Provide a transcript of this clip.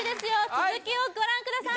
続きをご覧ください